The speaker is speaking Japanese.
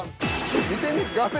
見てみ画面。